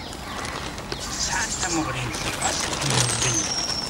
Sɛan tamuɣli-nsen ɣas akken meẓẓiyit.